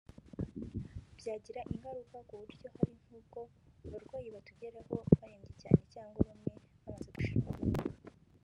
Byagiraga ingaruka ku buryo hari nk’ubwo abarwayi batugeragaho barembye cyane cyangwa bamwe bamaze gushiramo umwuka